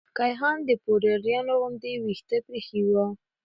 کيهان د پوډريانو غوندې ويښته پريخي وه.